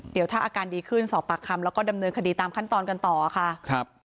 เดี๋ยวถ้าอาการดีขึ้นสอบปากคำแล้วก็ดำเนินคดีตามขั้นตอนกันต่อค่ะครับ